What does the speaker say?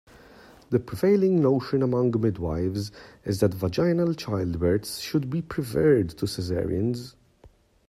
The prevailing notion among midwifes is that vaginal childbirths should be preferred to cesareans.